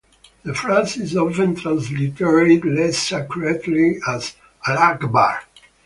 The phrase is often transliterated less accurately as "Allah akbar".